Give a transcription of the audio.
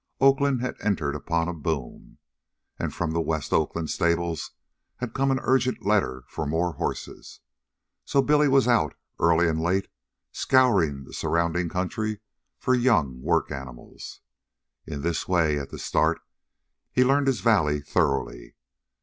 Oakland had entered upon a boom, and from the West Oakland stables had come an urgent letter for more horses. So Billy was out, early and late, scouring the surrounding country for young work animals. In this way, at the start, he learned his valley thoroughly.